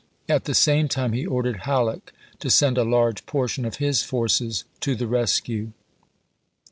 At the same time he ordered^ Halleck to send a large portion of his forces to the rescue.